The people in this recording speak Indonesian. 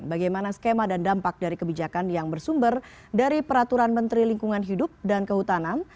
bagaimana skema dan dampak dari kebijakan yang bersumber dari peraturan menteri lingkungan hidup dan kehutanan